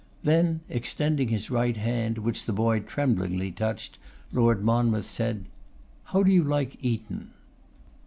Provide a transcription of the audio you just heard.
Then extending his right hand, which the boy tremblingly touched, Lord Monmouth said: 'How do you like Eton?